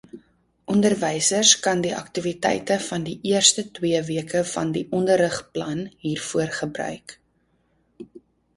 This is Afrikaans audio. Onderwysers kan die aktiwiteite van die eerste twee weke van die onderrigplan hiervoor gebruik.